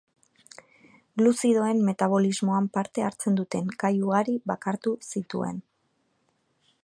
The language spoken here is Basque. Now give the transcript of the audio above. Gluzidoen metabolismoan parte hartzen duten gai ugari bakartu zituen.